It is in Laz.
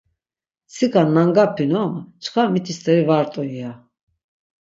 Mtsika nangapinu ama çkar miti steri va rt̆u iya...